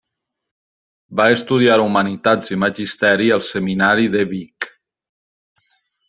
Va estudiar humanitats i magisteri al seminari de Vic.